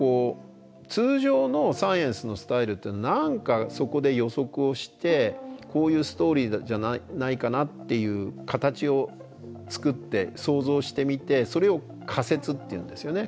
通常のサイエンスのスタイルっていうのは何かそこで予測をしてこういうストーリーじゃないかなっていう形を作って想像してみてそれを仮説って言うんですよね。